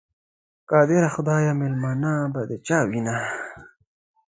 قادره خدایه، مېلمنه به د چا وینه؟